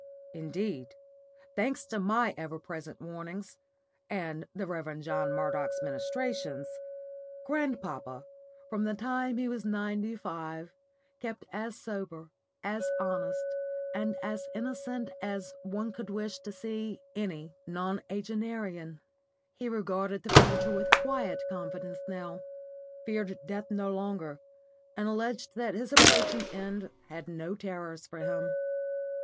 Indeed, thanks to my ever present warnings, and the Rev. John Murdoch's ministrations, grandpapa, from the time he was ninety five, kept as sober, as honest, and as innocent as one could wish to see any nonagenarian. He regarded the future with quiet confidence now, feared death no longer, and alleged that his approaching end had no terrors for him.